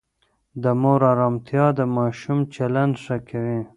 د مور آرامتیا د ماشوم چلند ښه کوي.